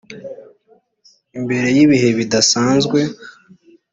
imbere y ibihe bidasanzwe